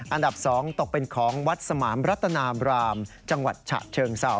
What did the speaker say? อันดับ๒ตกเป็นของวัดสมามรัตนาบรามจังหวัดฉะเชิงเศร้า